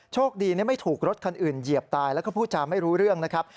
โชคดีไม่ถูกรถคันอื่นเหยียบตายแล้วก็พูดจาไม่รู้เรื่องนะครับ